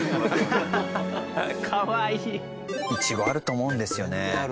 いちごあると思うんですよね。